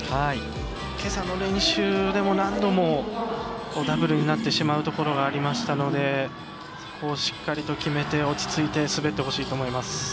けさの練習でも何度もダブルになってしまうところがありましたのでしっかりと、決めて落ち着いて滑ってほしいと思います。